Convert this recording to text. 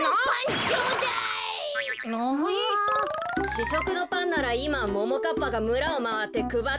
ししょくのパンならいまももかっぱがむらをまわってくばっているはずだよ。